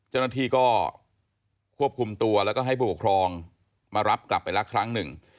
เจ้าหน้าที่ก็ควบคุมตัวแล้วก็ให้ผู้ปกครองมารับกลับไปละครั้งหนึ่ง